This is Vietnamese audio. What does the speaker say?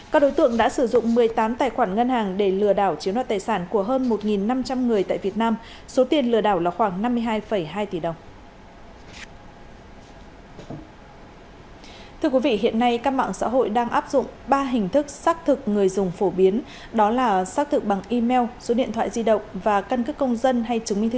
các đối tượng đã sử dụng một mươi tám tài khoản ngân hàng để lừa đảo chiếm đoạt tài sản của hơn một năm trăm linh người tại việt nam